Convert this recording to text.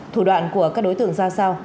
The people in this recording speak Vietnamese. thủ đoạn của các đối tượng ra sao